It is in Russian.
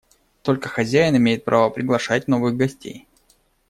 Только хозяин имеет право приглашать новых гостей.